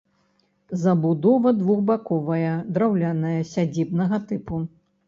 Забудова двухбаковая, драўляная, сядзібнага тыпу.